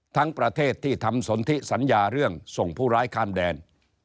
ทั้งประเทศที่ทำสนทิสัญญาเรื่องส่งผู้ร้ายข้ามแดน